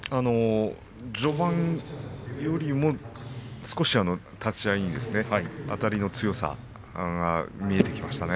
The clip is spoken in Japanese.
序盤よりも少し立ち合いにあたりの強さが見えてきましたね。